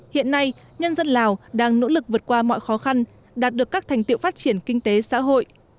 hiện nay nhân dân lào đang nỗ lực vượt qua mọi khó khăn đạt được các thành tiệu phát triển kinh tế xã hội